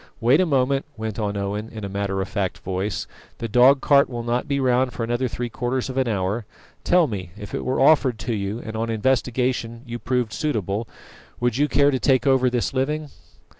"Wait a moment," went on Owen, in a matter of fact voice, "the dog cart will not be round for another three quarters of an hour. Tell me, if it were offered to you, and on investigation you proved suitable, would you care to take over this living?"